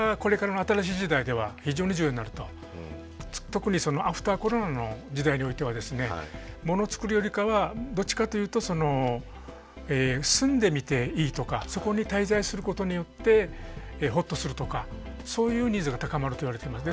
特にアフターコロナの時代においてはもの作るよりかはどっちかというと住んでみていいとかそこに滞在することによってほっとするとかそういうニーズが高まるといわれています。